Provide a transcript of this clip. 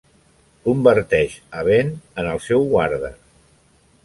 Converteix a Ben en el seu guarda.